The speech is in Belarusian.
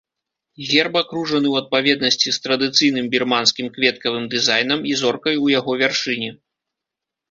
Герб акружаны ў адпаведнасці з традыцыйным бірманскім кветкавым дызайнам і зоркай у яго вяршыні.